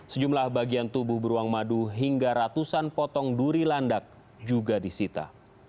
sejumlah bagian tubuh beruang madu hingga ratusan potong duri landak juga disita